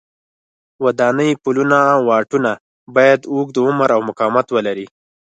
ودانۍ، پلونه او واټونه باید اوږد عمر او مقاومت ولري.